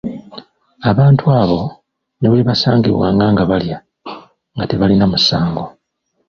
Abantu abo ne bwe baasangibwanga nga balya nga tebalina musango.